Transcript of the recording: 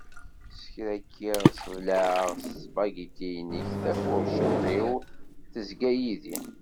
S kra kkiɣ sseblaɛeɣ ssbagiti-inek, tafurciṭ-iw tezga yid-i.